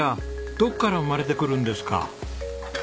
どこから生まれてくるんですか？